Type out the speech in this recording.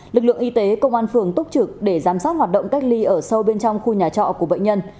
lực lượng y tế công an phường túc trực để giám sát hoạt động cách ly ở sâu bên trong khu nhà trọ của bệnh nhân